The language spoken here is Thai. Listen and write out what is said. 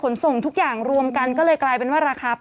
งงมาก